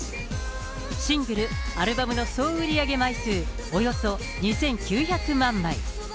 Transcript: シングル、アルバムの総売り上げ枚数、およそ２９００万枚。